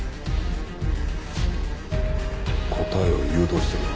答えを誘導してるな。